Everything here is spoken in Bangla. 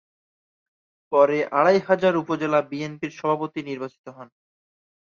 পরে আড়াইহাজার উপজেলা বিএনপির সভাপতি নির্বাচিত হন।